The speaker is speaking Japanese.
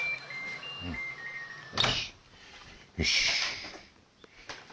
よし。